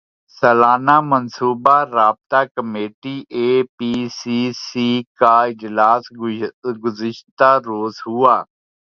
سالانہ منصوبہ رابطہ کمیٹی اے پی سی سی کا اجلاس گزشتہ روز ہوا